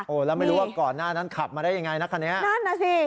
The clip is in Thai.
แล้วไม่รู้ว่าก่อนหน้านั้นขับมาได้ยังไงนะคันนี้นั่นน่ะสิ